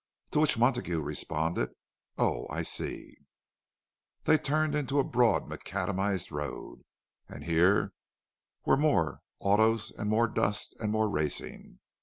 To which Montague responded, "Oh, I see!" They turned into a broad macadamized road, and here were more autos, and more dust, and more racing.